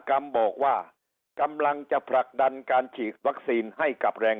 กรรมบอกว่ากำลังจะผลักดันการฉีดวัคซีนให้กับแรง